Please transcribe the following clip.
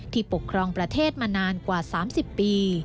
ปกครองประเทศมานานกว่า๓๐ปี